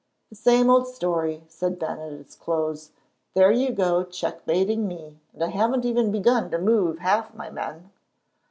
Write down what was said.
"The same old story," said Ben, at its close. "There you go checkmating me, and I haven't even begun to move half my men."